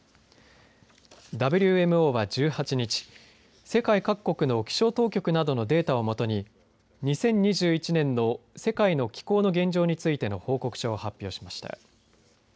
ＷＭＯは１８日世界各国の気象当局などのデータをもとに２０２１年の世界の気候の現状についての報告書を発表しました。